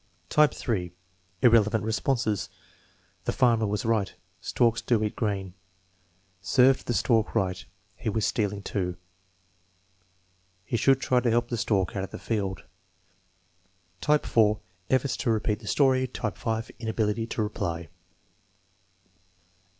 Type (3), irrelevant responses: "The fanner was right; storks TEST NO. XII, 5 297 do eat grain.*' "Served the stork riglit, he was stealing too." "He should try to help the stork out of the field." Type (4), efforts to repeat the story. Type (5), inability to reply.